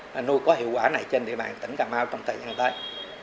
nó nuôi có hiệu quả này trên địa bàn tỉnh cà mau trong thời gian tới